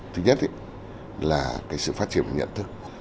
thứ nhất là sự phát triển của nhận thức